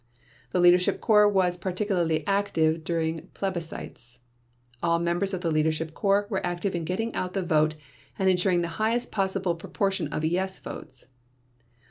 The Leadership Corps was particularly active during plebiscites. All members of the Leadership Corps were active in getting out the vote and insuring the highest possible proportion of "yes" votes.